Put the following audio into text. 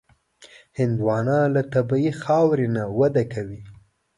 هندوانه له طبیعي خاورې نه وده کوي.